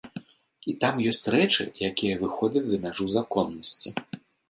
І там ёсць рэчы, якія выходзяць за мяжу законнасці.